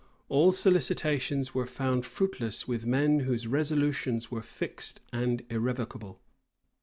All solicitations were found fruitless with men whose resolutions were fixed and irrevocable.